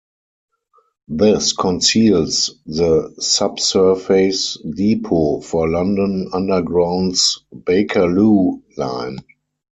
This conceals the subsurface depot for London Underground's Bakerloo line.